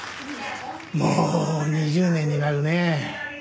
もう２０年になるねえ。